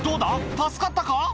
助かったか？